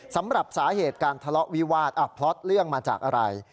สำหรับสาเหตุการทะเลาะวิวาสพพล็อตเรื่องมาจากอะไร